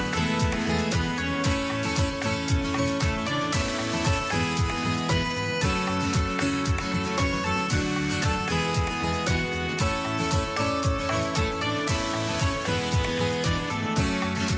โปรดติดตามตอนต่อไป